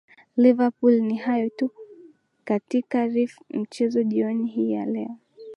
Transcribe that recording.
liverpool ni hayo tu katika rfi mchezo jioni hii ya leo